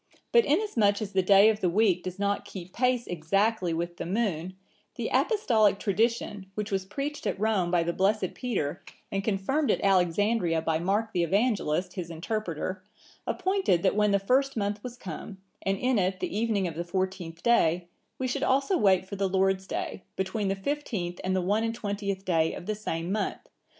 But inasmuch as the day of the week does not keep pace exactly with the moon, the Apostolic tradition, which was preached at Rome by the blessed Peter, and confirmed at Alexandria by Mark the Evangelist,(963) his interpreter, appointed that when the first month was come, and in it the evening of the fourteenth day, we should also wait for the Lord's day, between the fifteenth and the one and twentieth day of the same month.